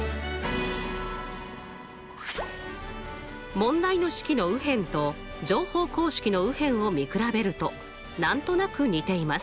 問題の式の右辺と乗法公式の右辺を見比べると何となく似ています。